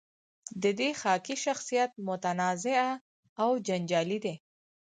د دې خاکې شخصیت متنازعه او جنجالي دی.